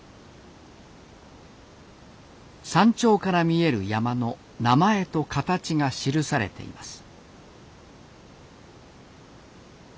山頂から見える山の名前と形が記されています。